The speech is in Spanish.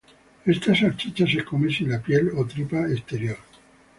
Esta salchicha se come sin la piel o tripa exterior.